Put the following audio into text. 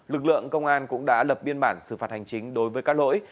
lực lượng công an cũng đã lập biên bản xử phạt hành chính đối với các lỗi